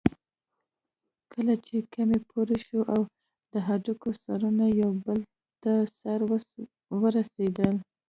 کله چې کمى پوره شو او د هډوکي سرونه يو بل ته سره ورسېدل.